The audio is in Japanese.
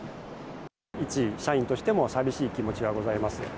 一社員としても寂しい気持ちがございます。